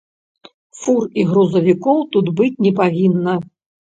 Фур і грузавікоў тут быць не павінна.